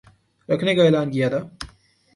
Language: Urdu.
رکھنے کا اعلان کیا تھا